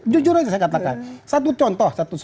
jujur aja saya katakan satu contoh